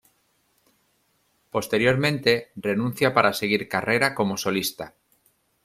Posteriormente, renuncia para seguir carrera como solista.